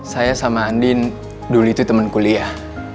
saya sama andin dulu itu temen kuliah